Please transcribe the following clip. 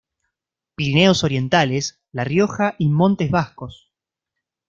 Pirineos orientales, la Rioja y montes vascos.